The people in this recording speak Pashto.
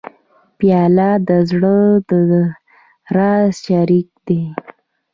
پیاله د زړه د راز شریک دی.